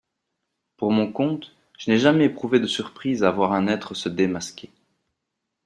Pour mon compte, je n'ai jamais éprouvé de surprise à voir un être se démasquer.